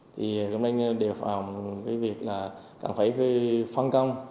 thì hôm nay đều phòng cái việc là càng phải phân công